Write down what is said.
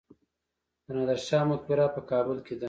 د نادر شاه مقبره په کابل کې ده